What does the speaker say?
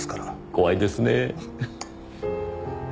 怖いですねぇ。